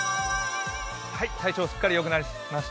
体調しっかりよくなりました。